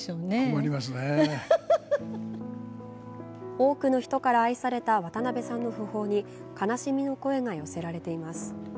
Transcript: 多くの人から愛された渡辺さんの訃報に悲しみの声が寄せられています。